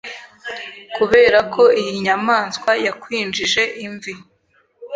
Kuberako iyi nyamaswa yakwinjije imvi